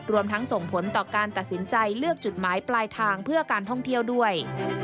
รวมทั้งส่งผลต่อการตัดสินใจเลือกจุดหมายปลายทางเพื่อการท่องเที่ยวด้วย